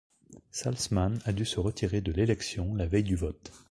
Saltsman a dû se retirer de l'élection la veille du vote.